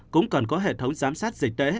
cũng cần có hệ thống giám sát dịch tễ